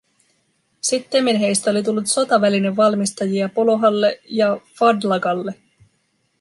Sittemmin heistä oli tullut sotavälinevalmistajia Polohalle ja Fadlagalle.